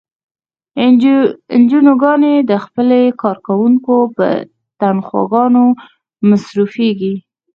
انجوګانې د خپلو کارکوونکو پر تنخواګانو مصرفیږي.